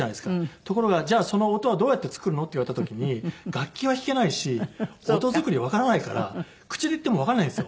ところが「じゃあその音はどうやって作るの？」って言われた時に楽器は弾けないし音作りわからないから口で言ってもわからないんですよ。